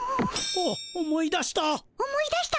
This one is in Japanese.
はっ思い出した。